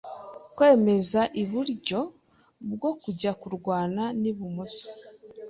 Kwemeza iburyo bwo kujya kurwana n'ibumoso